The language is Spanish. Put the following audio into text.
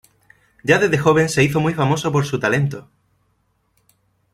Ya desde joven se hizo muy famoso por su talento.